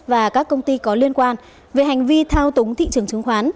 và các công ty có liên quan về hành vi thao túng thị trường chứng khoán